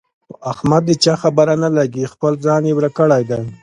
په احمد د چا خبره نه لګېږي، خپل ځان یې ورک کړی دی.